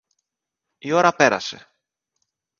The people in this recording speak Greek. Η ώρα πέρασε.